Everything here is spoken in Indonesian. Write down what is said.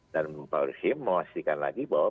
dan memfriend resheem mewakilkan lagi bahwa